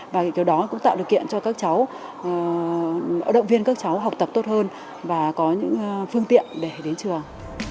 và điều đó cũng tạo điều kiện cho các cháu động viên các cháu học tập tốt hơn và có những phương tiện để đến trường